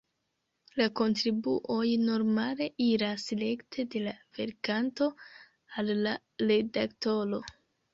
La kontribuoj normale iras rekte de la verkanto al la redaktoro.